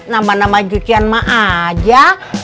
nama nama jutian emak aja